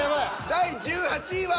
第１８位は。